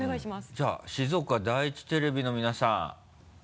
じゃあ静岡第一テレビの皆さん。